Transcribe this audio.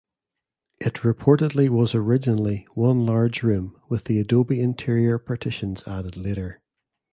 It reportedly was originally one large room with the adobe interior partitions added later.